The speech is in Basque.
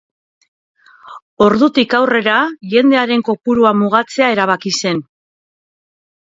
Ordutik aurrera jendearen kopurua mugatzea erabaki zen.